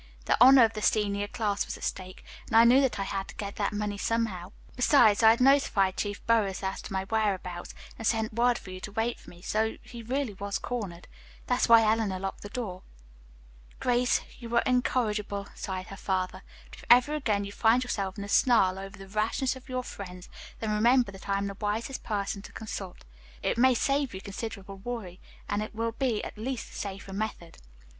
"The honor of the senior class was at stake, and I knew that I had to get that money somehow. Besides, I had notified Chief Burroughs as to my whereabouts, and sent word for you to wait for me, so he was really cornered, that's why Eleanor locked the door." "Grace, you are incorrigible," sighed her father, "but if ever again you find yourself in a snarl over the rashness of your friends, then remember that I am the wisest person to consult. It may save you considerable worry, and will be at least a safer method."